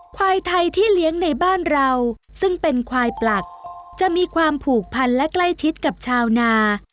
ควายไทยที่เลี้ยงในบ้านเราซึ่งเป็นควายปลักจะมีความผูกพันและใกล้ชิดกับชาวนา